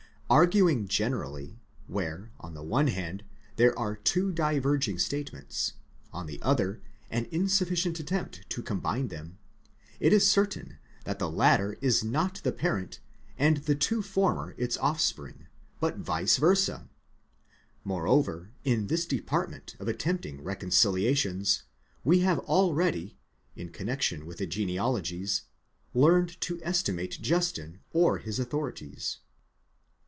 Arguing generally, where on the one hand, there are two diverging statements, on the other, an insufficient attempt to combine them, it is certain that the latter is not the parent and the two former its offspring, but vice versa. Moreover, in this department of attempting reconciliations, we have already, in connection with the genealogies, learned to estimate Justin or his authorities.